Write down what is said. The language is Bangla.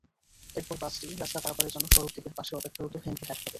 এরপর বাসটি রাস্তা পারাপারের জন্য সড়কদ্বীপের পাশে অপেক্ষারত ভ্যানকে ধাক্কা দেয়।